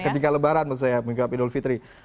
ketika lebaran menurut saya mengucapkan idul fitri